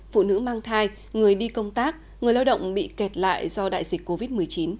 phụ nữ mang thai người đi công tác người lao động bị kẹt lại do đại dịch covid một mươi chín